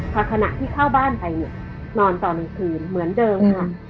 พอขณะที่เข้าบ้านไปนอนตอนกลางคืนเหมือนเดิมค่ะ